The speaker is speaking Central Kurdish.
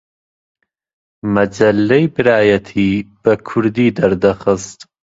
مەجەللەی برایەتی بە کوردی دەردەخست